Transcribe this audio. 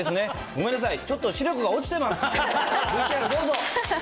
ごめんなさい、ちょっと視力が落ちてます。